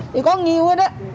thì có nhiều đó